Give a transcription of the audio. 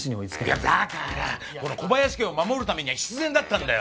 いやだからこの小林家を守るためには必然だったんだよ。